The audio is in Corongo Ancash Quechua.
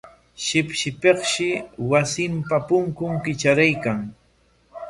Shipshipikshi wasinpa punkun kitraraykan.